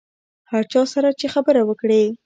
هر چا سره چې خبره وکړې.